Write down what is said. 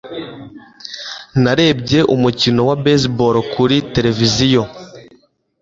Narebye umukino wa baseball kuri tereviziyo.